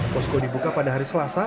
posko dibuka pada hari selasa